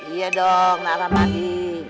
iya dong naramadi